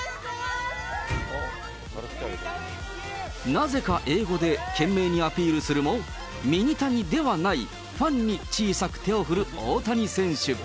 なぜか英語で、懸命にアピールするも、ミニタニではないファンに小さく手を振る大谷選手。